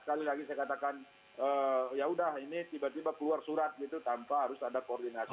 sekali lagi saya katakan yaudah ini tiba tiba keluar surat gitu tanpa harus ada koordinasi